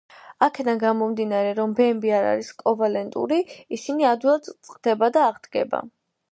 იქიდან გამომდინარე, რომ ბმები არ არის კოვალენტური, ისინი ადვილად წყდება და აღდგება.